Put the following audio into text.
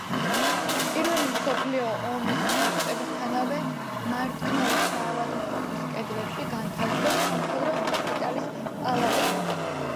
პირველი მსოფლიო ომის დაწყებისთანავე მარტინოვის საავადმყოფოს კედლებში განთავსდა სამხედრო ჰოსპიტალის პალატები.